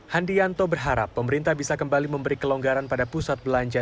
handianto berharap pemerintah bisa kembali memberi kelonggaran pada pusat belanja